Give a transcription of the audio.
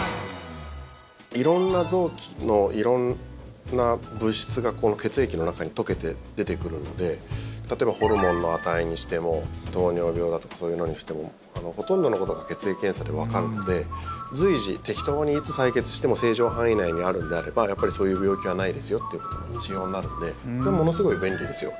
色んな臓器の色んな物質が血液の中に溶けて出てくるので例えばホルモンの値にしても糖尿病だとかそういうのにしてもほとんどのことが血液検査でわかるので随時、適当に、いつ採血しても正常範囲内にあるのであればそういう病気はないですよということに一応なるのでものすごい便利ですよ。